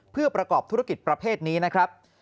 เพื่อประกอบธุรกิจประเภทนี้นะครับ